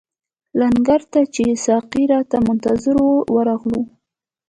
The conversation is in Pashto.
لنګر ته چې ساقي راته منتظر وو ورغلو.